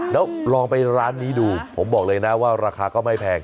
แล้วลองไปร้านนี้ดูผมบอกเลยนะว่าราคาก็ไม่แพง